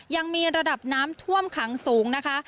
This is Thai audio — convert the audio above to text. ยังมีระดับน้ำท่วมขังสูงนะคะ